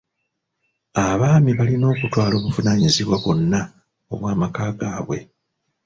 Abaami balina okutwala obuvunaanyibwa bwonna obw'amaka gaabwe.